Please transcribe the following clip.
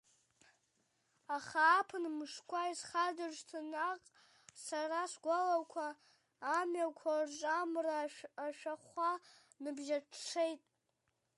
Аха ааԥын мшқәа исхадыршҭын наҟ сара сгәалақәа, амҩақәарҿ амра ашәахәа ныбжьаҽҽеит.